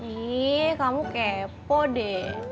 ih kamu kepo deh